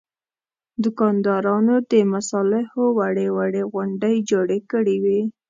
دوکاندارانو د مصالحو وړې وړې غونډۍ جوړې کړې وې.